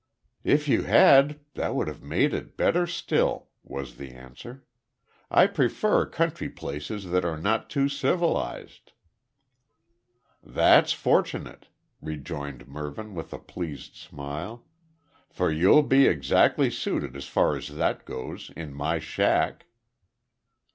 "If you had, that would have made it better still," was the answer. "I prefer country places that are not too civilised." "That's fortunate," rejoined Mervyn with a pleased smile, "for you'll be exactly suited as far as that goes, in my shack."